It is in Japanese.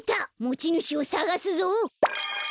もちぬしをさがすぞ！